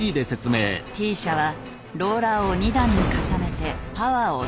Ｔ社はローラーを２段に重ねてパワーを増強。